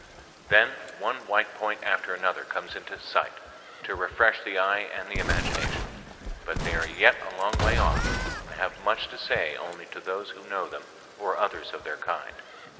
Then one white point after another comes into sight to refresh the eye and the imagination; but they are yet a long way off, and have much to say only to those who know them or others of their kind.